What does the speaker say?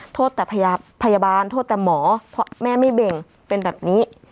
โทษแต่พยาบาลโทษแต่หมอเพราะแม่ไม่เบ่งเป็นแบบนี้